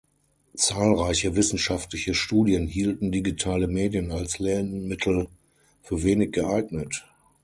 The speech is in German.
Zahlreiche wissenschaftliche Studien hielten digitale Medien als Lernmittel für wenig geeignet.